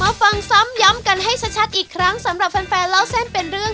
ฟังซ้ำย้ำกันให้ชัดอีกครั้งสำหรับแฟนเล่าเส้นเป็นเรื่อง